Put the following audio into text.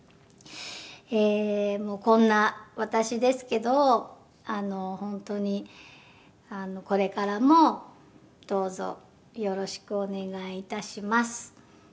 「えーこんな私ですけどあの本当にこれからもどうぞよろしくお願いいたします」